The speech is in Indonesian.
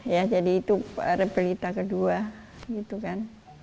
ya jadi itu rebelita kedua gitu kan